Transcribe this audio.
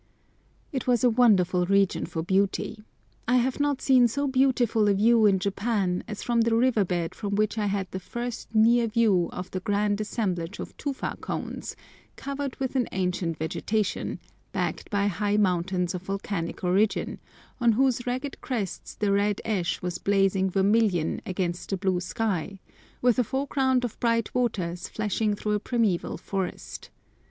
It was a wonderful region for beauty. I have not seen so beautiful a view in Japan as from the river bed from which I had the first near view of the grand assemblage of tufa cones, covered with an ancient vegetation, backed by high mountains of volcanic origin, on whose ragged crests the red ash was blazing vermilion against the blue sky, with a foreground of bright waters flashing through a primeval forest.